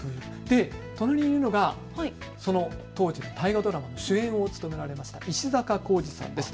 隣にいるのが当時の大河ドラマの主演を務められました石坂浩二さんです。